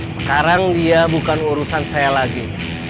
sekarang dia bukan urusan saya lagi